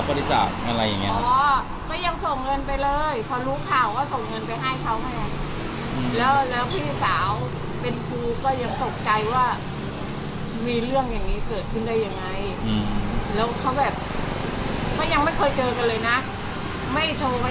ไม่โทรไปหาเขาไม่อะไรเพราะว่าคือติดต่อเขาไม่ได้